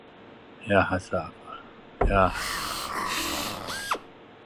استعمل فاضل ماله لمغازلة ليلى.